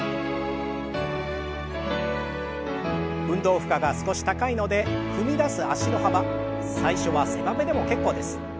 運動負荷が少し高いので踏み出す脚の幅最初は狭めでも結構です。